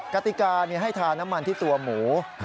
กติกาให้ทาน้ำมันที่ตัวหมู